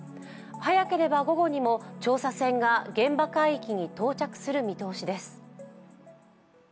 早ければ午後にも調査船が現場海域に到着する見通しです。